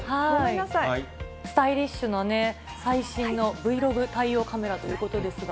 スタイリッシュな最新のＶログ対応カメラということですが。